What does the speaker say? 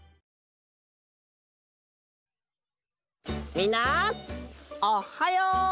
みんなおっはよう！